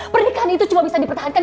pernikahan itu cuma bisa dipertahankan